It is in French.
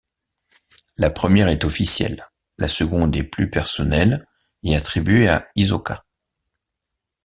La première est officielle, la seconde est plus personnelle et attribuée à Hisoka.